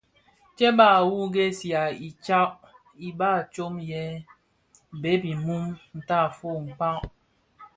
Tsèba wua a ghèsèga iba tsom yè bheg mum tafog kpag.